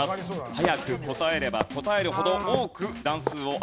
早く答えれば答えるほど多く段数を上がれますよ。